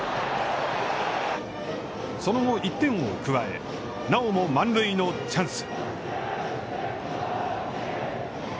その後１点を加え、なおも満塁のチャンス。